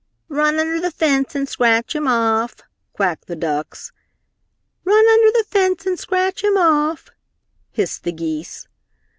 "Run under the fence and scratch him off!" quacked the ducks. "Run under the fence and scratch him off!" hissed the geese.